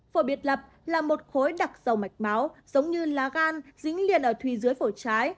phổi biệt lập là một khối đặc dầu mạch máu giống như lá gan dính liền ở thủy dưới phổi trái